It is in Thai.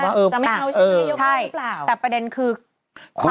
จะไม่เอาชีวิตให้ยกร้องหรือเปล่า